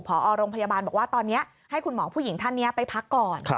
พอโรงพยาบาลบอกว่าตอนนี้ให้คุณหมอผู้หญิงท่านนี้ไปพักก่อน